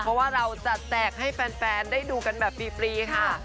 เพราะว่าเราจัดแจกให้แฟนได้ดูกันแบบฟรีค่ะ